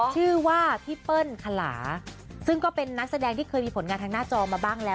ชื่อว่าพี่เปิ้ลคลาซึ่งก็เป็นนักแสดงที่เคยมีผลงานทางหน้าจอมาบ้างแล้ว